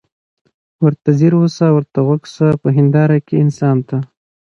ورته ځیر سه ورته غوږ سه په هینداره کي انسان ته